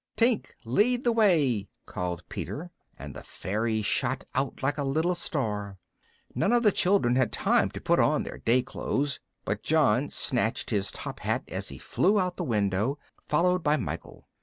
"Tink, lead the way!" called Peter, and the fairy shot out like a little star. None of the children had time to put on their day clothes, but John snatched his top hat as he flew out of the window, followed by Michael.